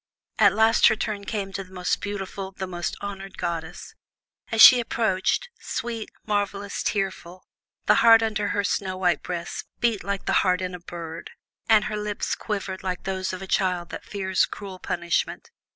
At last her turn came to the most beautiful, the most honored goddess. As she approached, sweet, marvellous, tearful, the heart under her snow white breast beat like the heart in a bird, and her lips quivered like those of a child that fears cruel punishment.